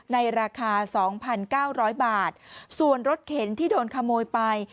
ในราคา๒๙๐๐บาทส่วนรถเข็นที่โดนขโมยไป